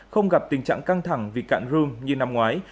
cũng gặp tình trạng căng thẳng vì cạn rưm như năm ngoái